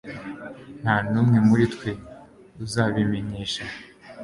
Nta n'umwe muri twe uzabimenyesha